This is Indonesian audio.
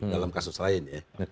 dalam kasus lain ya